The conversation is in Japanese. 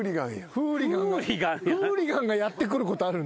フーリガンがやって来ることあるんだ。